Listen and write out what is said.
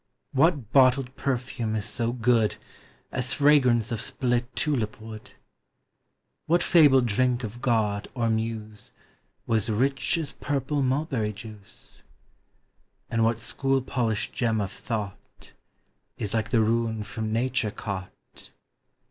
What bottled perfume is so good As fragrance of split tulip wood? What fabled drink of god or Muse Was rich as purple mulberry juice? And what school polished gem of thought Is like the rune from Nature caught?